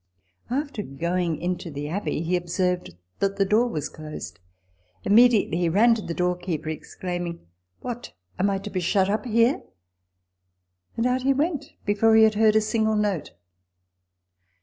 After going into the Abbey, he observed that the door was closed ; immediately he ran to the doorkeeper, exclaiming, " What ! am I to be shut up here ?" and out he went, before he had heard a single note!